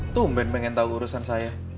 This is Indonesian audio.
tumben pengen tahu urusan saya